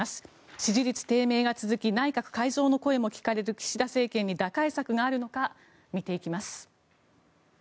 支持率低迷が続き内閣改造の声も聞かれる岸田政権に打開策があるのか見ていきます。